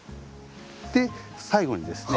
最後にですね